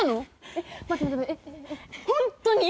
えっ待って待って待ってホンットに？